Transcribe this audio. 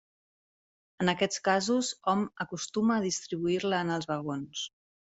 En aquests casos, hom acostuma a distribuir-la en els vagons.